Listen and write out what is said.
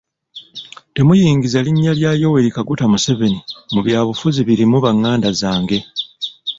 Temuyingiza linnya lyange Yoweri Kaguta Museveni mu byabufuzi birimu banganda zange.